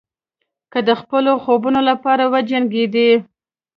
که د خپلو خوبونو لپاره وجنګېدئ.